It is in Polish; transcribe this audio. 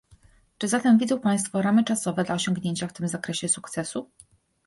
Czy zatem widzą państwo ramy czasowe dla osiągnięcia w tym zakresie sukcesu?